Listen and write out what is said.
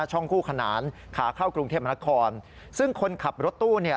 คู่ขนานขาเข้ากรุงเทพมนาคมซึ่งคนขับรถตู้เนี่ย